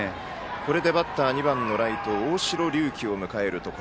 これでバッターは２番のライト、大城龍紀を迎える。